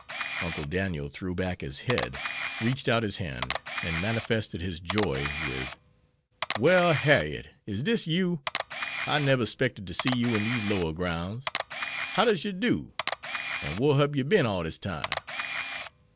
Uncle Daniel threw back his head, reached out his hand, and manifested his joy with "Well, Har'yet! is dis you? I neber 'spected to see you in dese lower grouns! How does yer do? an' whar hab you bin all dis time?"